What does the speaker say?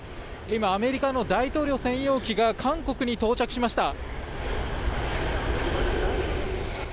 今、アメリカの大統領専用機が韓国に到着しました。